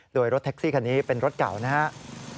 โดยรถแท็กซี่คันนี้เป็นรถเก่านะครับ